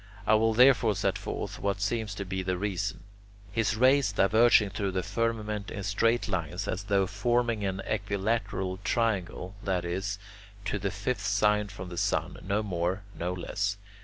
I will therefore set forth what seems to be the reason. His rays diverge through the firmament in straight lines as though forming an equilateral triangle, that is, to the fifth sign from the sun, no more, no less.